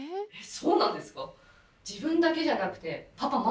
そうなんです。